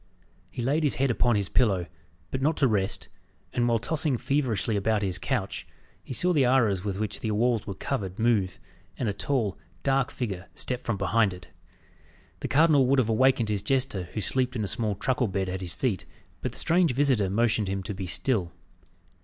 He laid his head upon his pillow, but not to rest, and while tossing feverishly about his couch, he saw the arras with which the walls were covered, move, and a tall, dark figure step from behind it. The cardinal would have awakened his jester, who slept in a small truckle bed at his feet, but the strange visitor motioned him to be still.